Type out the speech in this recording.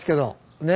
ねえ。